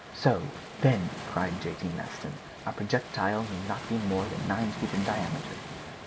"So, then," cried J. T. Maston, "our projectile need not be more than nine feet in diameter."